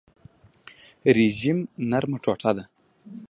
ریشم نرمه ټوټه ده